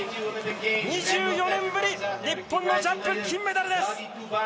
２４年ぶり、日本のジャンプ金メダルです！